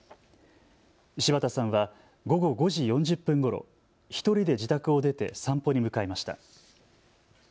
柴田さんは午後５時４０分ごろ、１人で自宅を出て散歩に向かいました。